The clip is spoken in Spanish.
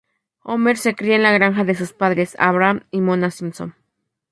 Homer se cría en la granja de sus padres, Abraham y Mona Simpson.